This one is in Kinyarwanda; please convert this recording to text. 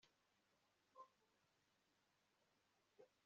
yaratsinze kuko yari yarinjijwe rwose mu mugambi we, kandi